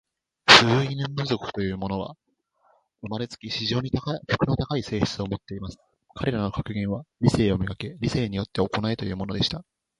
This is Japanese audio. フウイヌム族というのは、生れつき、非常に徳の高い性質を持っています。彼等の格言は、『理性を磨け。理性によって行え。』というのでした。